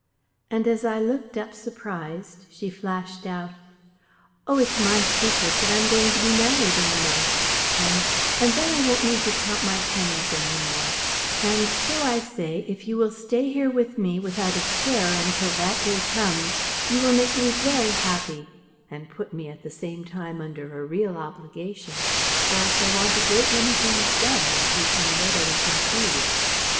And as I looked up surprised, she flashed out: "Oh, it's my secret; but I am going to be married in a month, and and then I won't need to count my pennies any more; and, so I say, if you will stay here with me without a care until that day comes, you will make me very happy, and put me at the same time under a real obligation; for I shall want a great many things done, as you can readily conceive."